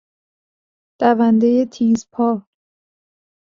دوندهی تیزپا